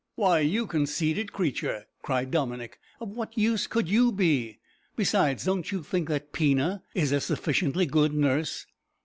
"Why, you conceited creature," cried Dominick, "of what use could you be? Besides, don't you think that Pina is a sufficiently good nurse?"